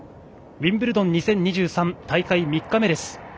ウィンブルドン２０２３大会３日目です。